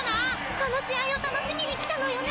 この試合を楽しみに来たのよね